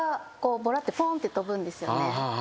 ボラってぽんって跳ぶんですよね。